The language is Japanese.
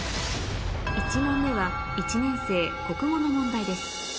１問目は１年生国語の問題です